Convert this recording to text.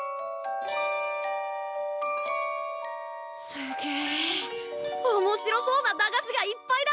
すげえおもしろそうな駄菓子がいっぱいだ！